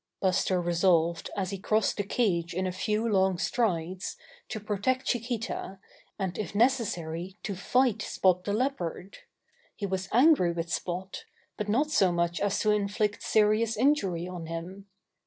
Buster resolved, as he crossed the cage in a few long strides, to protect Chiquita, and if necessary to fight Spot the Leopard. He was angry with Spot, but not so much as to inflict serious injury on him.